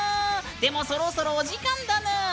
でも、そろそろお時間だぬー。